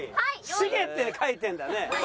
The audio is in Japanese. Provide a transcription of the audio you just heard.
しげって書いてるんだね。